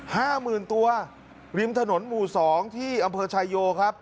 ห้าหมื่นตัวริมถนนหมู่สองที่อำเภอชายโยครับ